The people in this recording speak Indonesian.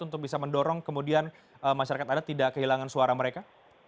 untuk bisa mendorong kemudian masyarakat adat tidak kehilangan suara mereka